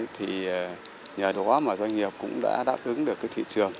thì nhờ đó mà doanh nghiệp cũng đã đáp ứng được cái thị trường